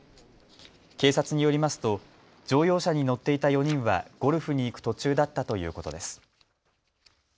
警察によりますと乗用車に乗っていた４人はゴルフに行く途中だったということです。